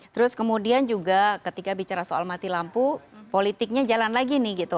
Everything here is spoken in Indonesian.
terus kemudian juga ketika bicara soal mati lampu politiknya jalan lagi nih gitu